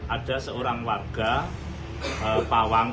ada seorang warga pawang ular yang tergigit oleh ular peliharaannya